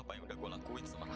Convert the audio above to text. apa yang udah gue lakuin sama rati